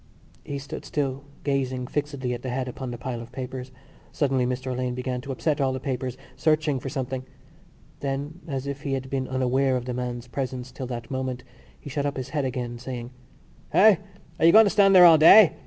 He stood still, gazing fixedly at the head upon the pile of papers. Suddenly Mr Alleyne began to upset all the papers, searching for something. Then, as if he had been unaware of the man's presence till that moment, he shot up his head again, saying: "Eh? Are you going to stand there all day?